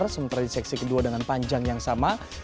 sementara di seksi kedua dengan panjang yang sama